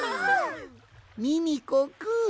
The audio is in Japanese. ミミコくん！